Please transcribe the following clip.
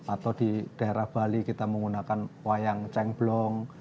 atau di daerah bali kita menggunakan wayang cengblong